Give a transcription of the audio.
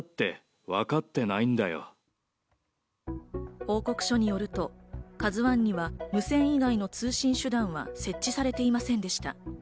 報告書によると、「ＫＡＺＵ１」には無線以外の通信手段は設置されていませんでした。